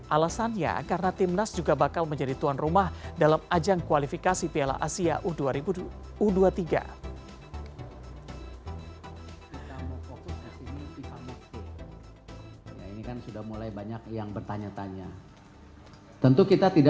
alasannya karena timnas juga bakal menjadi tuan rumah dalam ajang kualifikasi piala asia u dua puluh tiga